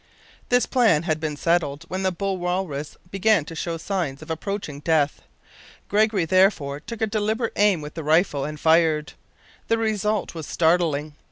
This plan had just been settled when the bull walrus began to show signs of approaching death. Gregory therefore took a deliberate aim with the rifle and fired. The result was startling!